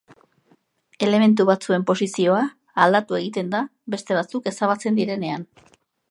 Elementu batzuen posizioa aldatu egiten da beste batzuk ezabatzen direnean.